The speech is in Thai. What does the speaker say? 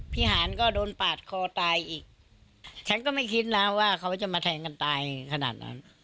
หารก็โดนปาดคอตายอีกฉันก็ไม่คิดนะว่าเขาจะมาแทงกันตายขนาดนั้น